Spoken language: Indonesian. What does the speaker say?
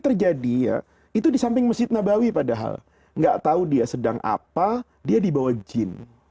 terjadi ya itu di samping masjid nabawi padahal enggak tahu dia sedang apa dia dibawa jin